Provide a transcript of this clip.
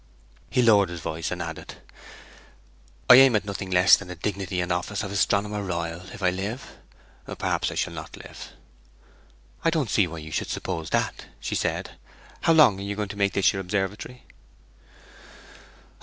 He lowered his voice, and added: 'I aim at nothing less than the dignity and office of Astronomer Royal, if I live. Perhaps I shall not live.' 'I don't see why you should suppose that,' said she. 'How long are you going to make this your observatory?'